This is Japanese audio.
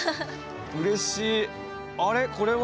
うれしい。